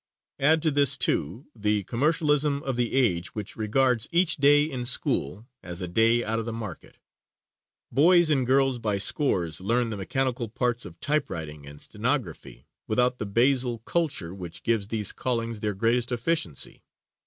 Add to this, too, the commercialism of the age which regards each day in school as a day out of the market. Boys and girls by scores learn the mechanical parts of type writing and stenography without the basal culture which gives these callings their greatest efficiency.